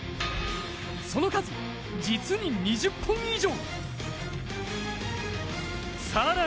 その数、実に２０本以上。